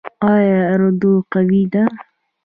آیا اردو قوي ده؟